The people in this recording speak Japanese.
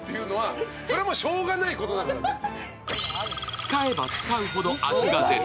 使えば使うほど味が出る。